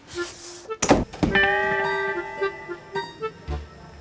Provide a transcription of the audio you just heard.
kamu mau ke rumah